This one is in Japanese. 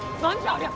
ありゃ！